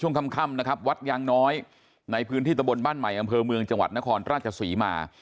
หลังพฤศจิกายนช่วงค่ำวัดยางน้อยในพื้นที่ตะบนบ้านใหม่อำเภอเมืองจังหวัดนครราชศรีมา